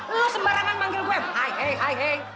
lu sembarangan manggil gue hai hai hai hai